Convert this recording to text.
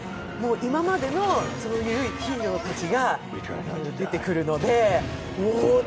今までのそういうヒーローたちが出てくるので、おおっ！